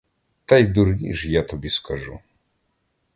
Та й дурні ж, я тобі скажу!